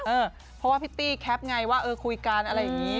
เออเพราะว่าพิตตี้แคปไงว่าเออคุยกันอะไรอย่างนี้